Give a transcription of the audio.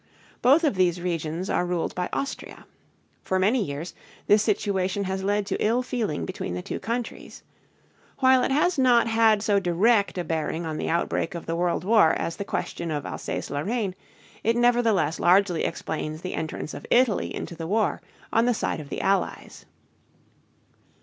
Both of these regions are ruled by Austria. For many years this situation has led to ill feeling between the two countries. While it has not had so direct a bearing on the outbreak of the World War as the question of Alsace Lorraine, it nevertheless largely explains the entrance of Italy into the war on the side of the Allies.